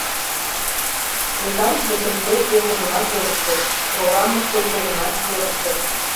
Кресаньык дечын пеш йӧсыжымат йодыштыт, программыште укежымат йодыштыт.